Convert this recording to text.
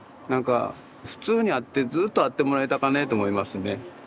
なんか普通にあってずっとあってもらいたかねと思いますね